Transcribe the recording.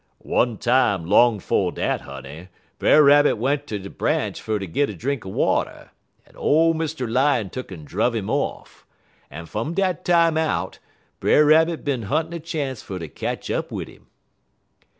"One time long 'fo' dat, honey, Brer Rabbit went ter de branch fer ter git a drink er water, en ole Mr. Lion tuck'n druv 'im off, en fum dat time out Brer Rabbit bin huntin' a chance fer ter ketch up wid 'im."